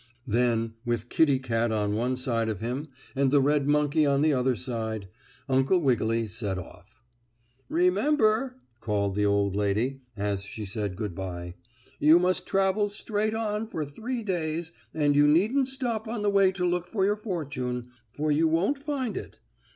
Then, with Kittie Kat on one side of him and the red monkey on the other side, Uncle Wiggily set off. "Remember," called the old lady, as she said good by, "you must travel straight on for three days, and you needn't stop on the way to look for your fortune, for you won't find it.